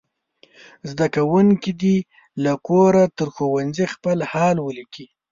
زده کوونکي دې له کوره تر ښوونځي خپل حال ولیکي.